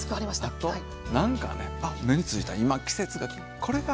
あと何かねあっ目についた今季節がこれがあるなって。